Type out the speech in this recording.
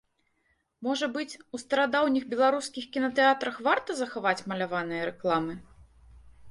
Можа быць, у старадаўніх беларускіх кінатэатрах варта захаваць маляваныя рэкламы?